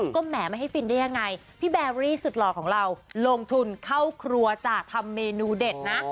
ก็แหมไม่ให้ฟินได้ยังไงพี่แบรี่สุดหล่อของเราลงทุนเข้าครัวจ้ะทำเมนูเด็ดนะ